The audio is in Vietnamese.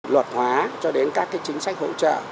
luật hóa cho đến các chính sách hỗ trợ